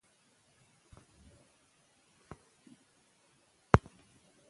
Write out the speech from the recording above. پښتو ژبه په نړیواله کچه یوه ویاړلې ژبه وګرځوئ.